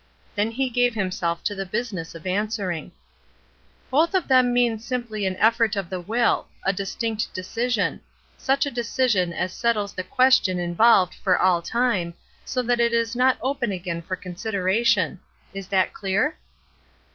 Then he gave himself to the business of answering. "Both of them mean simply an effort of the will ; a distinct decision ; such a decision as set 204 THEORY AND PRACTICE 205 ties the question involved for all time, so that it is not open again for consideration. Is that clear?"